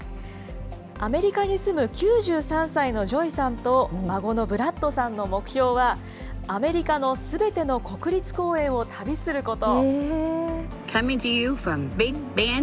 アメリカに住む９３歳のジョイさんと、孫のブラッドさんの目標は、アメリカのすべての国立公園を旅すること。